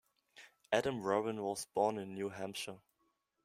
Adam Warren was born in New Hampshire.